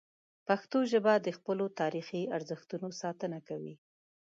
پښتو ژبه د خپلو تاریخي ارزښتونو ساتنه کوي.